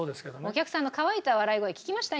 お客さんの乾いた笑い声聞きました？